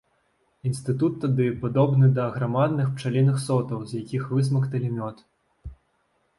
Інстытут тады падобны да аграмадных пчаліных сотаў, з якіх высмакталі мёд.